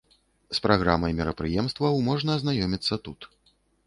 З праграмай мерапрыемстваў можна азнаёміцца тут.